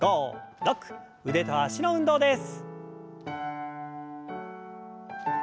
腕と脚の運動です。